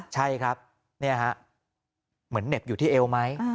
ใช่ครับนี่ฮะเหมือนเหน็บอยู่ที่เอวไหม